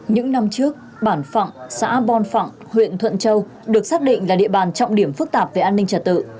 những năm trước bản phạng xã bon phẳng huyện thuận châu được xác định là địa bàn trọng điểm phức tạp về an ninh trật tự